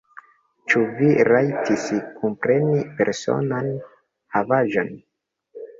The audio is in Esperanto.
Ĉu vi rajtis kunpreni personan havaĵon?